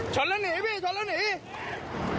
ชนแล้วหนีพี่ชนแล้วหนี